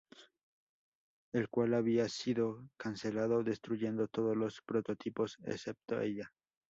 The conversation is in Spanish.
El cual había sido cancelado destruyendo todos los "prototipos" excepto ella.